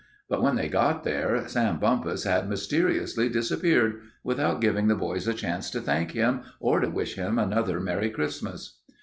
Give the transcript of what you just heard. But when they got there, Sam Bumpus had mysteriously disappeared, without giving the boys a chance to thank him or to wish him another Merry Christmas.